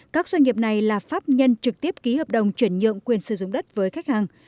các doanh nghiệp này là pháp nhân trực tiếp ký hợp đồng chuyển nhượng quyền sử dụng đất với khách hàng